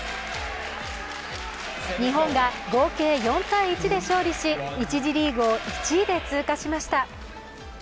日本が合計４−１で勝利し、１次リーグを１位で通過しました。